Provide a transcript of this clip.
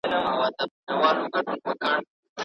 سم نیت ستونزي نه پیدا کوي.